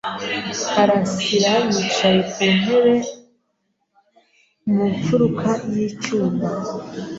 Karasirayicaye ku ntebe mu mfuruka y'icyumba.